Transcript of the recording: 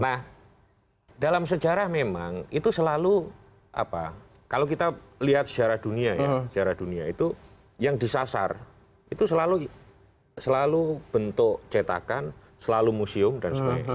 nah dalam sejarah memang itu selalu apa kalau kita lihat sejarah dunia ya sejarah dunia itu yang disasar itu selalu bentuk cetakan selalu museum dan sebagainya